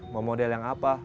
mau model yang apa